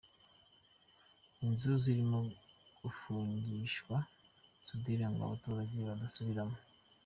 Inzu zirimo gufungishwa sudire ngo abaturage badasubiramo.